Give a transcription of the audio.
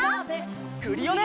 クリオネ！